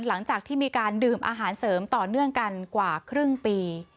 หลังจากที่มีการดื่มอาหารเสริมต่อเนื่องกันกว่าครึ่งปี